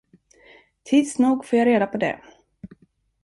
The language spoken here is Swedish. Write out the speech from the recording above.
Tids nog får jag reda på det.